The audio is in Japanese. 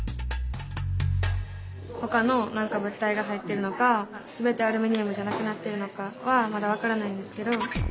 ほかのなんか物体が入っているのかすべてアルミニウムじゃなくなってるのかはまだわからないんですけど。